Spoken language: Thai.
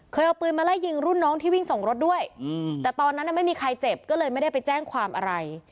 เอาปืนมาไล่ยิงรุ่นน้องที่วิ่งส่งรถด้วยแต่ตอนนั้นไม่มีใครเจ็บก็เลยไม่ได้ไปแจ้งความอะไร